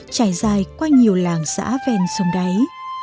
trải dài qua nhiều làng xã vèn sông đáy